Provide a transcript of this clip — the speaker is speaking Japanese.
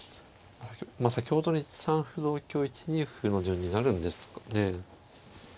まあ先ほどの１三歩同香１二歩の順になるんですかね。